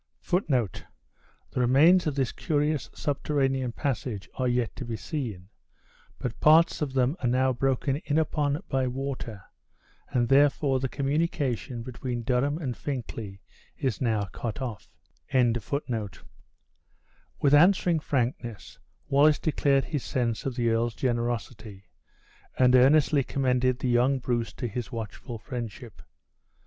The remains of this curious subterranean passage are yet to be seen; but parts of them are now broken in upon by water, and therefore the communication between Durham and Fincklay is now cut off. With answering frankness, Wallace declared his sense of the earl's generosity; and earnestly commended the young Bruce to his watchful friendship.